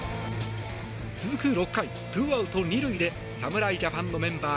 続く６回、ツーアウト２塁で侍ジャパンのメンバー